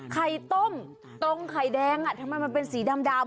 ไข่ต้มต้มไข่แดงอะทำเป็นมันเป็นสีดำ